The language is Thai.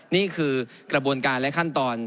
นี่คือกระบวนการและขั้นตอน